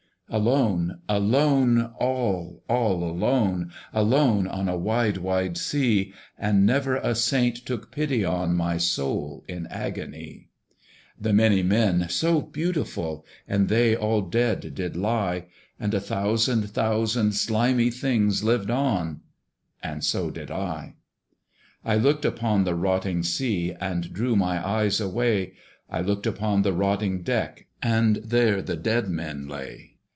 Alone, alone, all, all alone, Alone on a wide wide sea! And never a saint took pity on My soul in agony. The many men, so beautiful! And they all dead did lie: And a thousand thousand slimy things Lived on; and so did I. I looked upon the rotting sea, And drew my eyes away; I looked upon the rotting deck, And there the dead men lay.